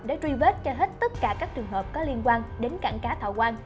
để truy vết cho hết tất cả các trường hợp có liên quan đến cảng cá thọ quang